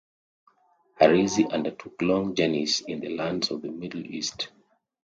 Harizi undertook long journeys in the lands of the Middle East.